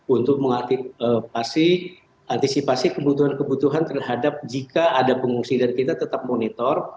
untuk mengaktifasi antisipasi kebutuhan kebutuhan terhadap jika ada pengungsian kita tetap monitor